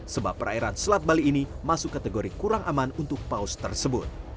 sebab perairan selat bali ini masuk kategori kurang aman untuk paus tersebut